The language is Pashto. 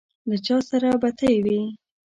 له چا سره بتۍ وې.